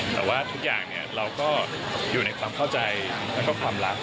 แต่ว่าทุกอย่างเราก็อยู่ในความเข้าใจแล้วก็ความรัก